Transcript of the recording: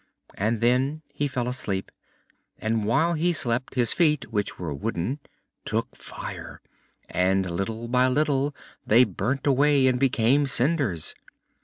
And then he fell asleep, and whilst he slept his feet, which were wooden, took fire, and little by little they burnt away and became cinders.